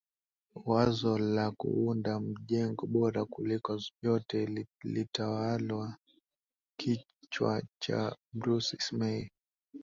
wazo la kuunda mjengo bora kuliko yote lilitawala kichwa ch bruce ismay